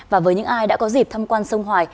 và với những ai đã có dịp thăm quan sông hoài